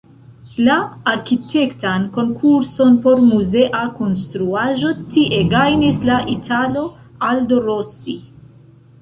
La arkitektan konkurson por muzea konstruaĵo tie gajnis la italo "Aldo Rossi".